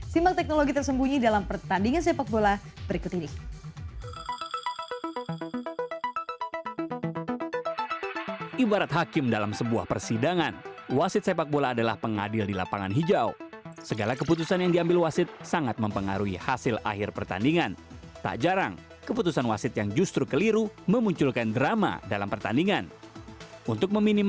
simak teknologi tersembunyi dalam pertandingan sepak bola berikut ini